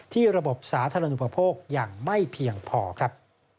ระบบสาธารณูปโภคอย่างไม่เพียงพอครับ